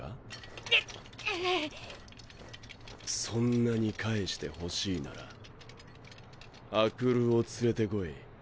そんなに返して欲しいなら阿久留を連れてこい。